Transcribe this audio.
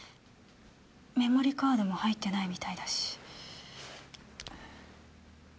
メモリーカードも入ってないみたいだし。